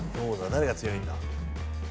誰が強いんだ？